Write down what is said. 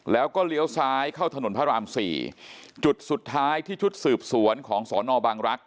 แล้วก็เลี้ยวซ้ายเข้าถนนพระรามสี่จุดสุดท้ายที่ชุดสืบสวนของสอนอบางรักษ